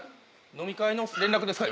飲み会の連絡ですか？